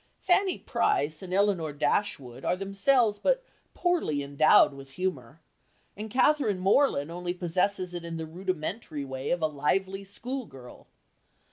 Fanny Price and Elinor Dashwood are themselves but poorly endowed with humour, and Catherine Morland only possesses it in the rudimentary way of a lively school girl.